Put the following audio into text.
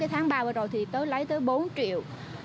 tháng ba vừa rồi thì lấy tới bốn triệu